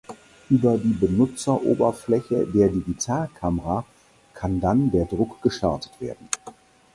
Über die Benutzeroberfläche der Digitalkamera kann dann der Druck gestartet werden.